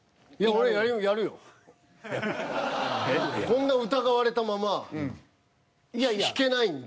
こんな疑われたまま引けないんで。